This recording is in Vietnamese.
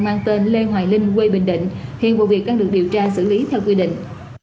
mang tên lê hoài linh quê bình định hiện vụ việc đang được điều tra xử lý theo quy định